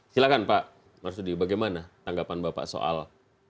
silahkan pak marsudi bagaimana tanggapan bapak soal